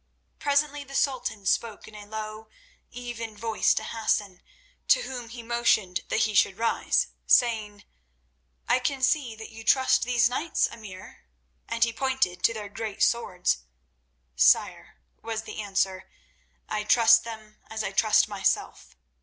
Presently the Sultan spoke in a low, even voice to Hassan, to whom he motioned that he should rise, saying: "I can see that you trust these knights, Emir," and he pointed to their great swords. "Sire," was the answer, "I trust them as I trust myself.